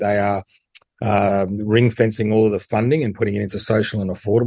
dan menempatkannya ke dalam pembangunan sosial dan berharga